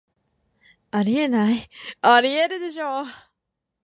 あり得ない、アリエールでしょ